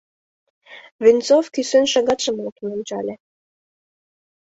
Венцов кӱсен шагатшым луктын ончале.